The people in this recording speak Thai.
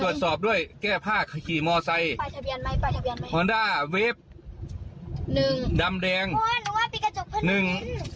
ดำแดงหนึ่ง